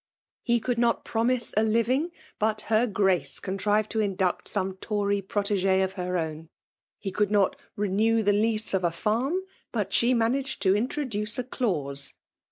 He could not promise a Vmag, but her G^race contrived to induct some Tcury proUg4 of her own ; he could not renew the lease of a farm^ but she managed to introduce a clause.